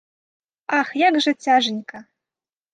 Ах, як жа цяжанька!